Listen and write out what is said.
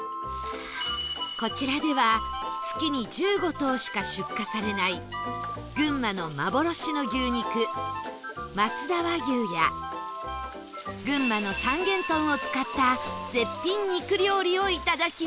こちらでは月に１５頭しか出荷されない群馬の幻の牛肉増田和牛や群馬の三元豚を使った絶品肉料理をいただきます